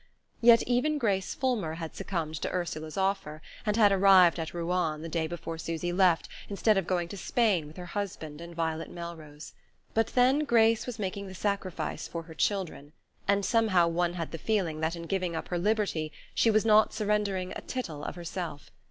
Yet even Grace Fulmer had succumbed to Ursula's offer, and had arrived at Ruan the day before Susy left, instead of going to Spain with her husband and Violet Melrose. But then Grace was making the sacrifice for her children, and somehow one had the feeling that in giving up her liberty she was not surrendering a tittle of herself.